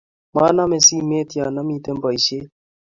Maname simet ya amite boishet